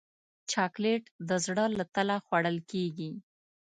چاکلېټ د زړه له تله خوړل کېږي.